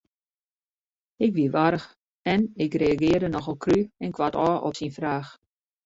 Ik wie warch en ik reagearre nochal krú en koartôf op syn fraach.